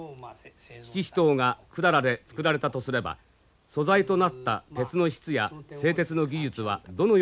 七支刀が百済で作られたとすれば素材となった鉄の質や製鉄の技術はどのようなものであったろうか。